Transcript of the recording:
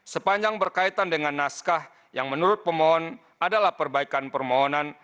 sepanjang berkaitan dengan naskah yang menurut pemohon adalah perbaikan permohonan